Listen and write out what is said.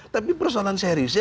tapi persoalan seriusnya